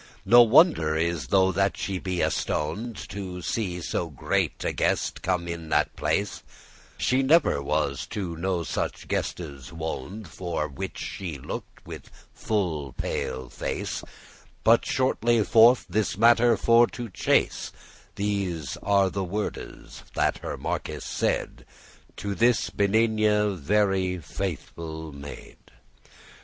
*before No wonder is though that she be astoned,* *astonished To see so great a guest come in that place, She never was to no such guestes woned;* *accustomed, wont For which she looked with full pale face. But shortly forth this matter for to chase,* *push on, pursue These are the wordes that the marquis said To this benigne, very,* faithful maid.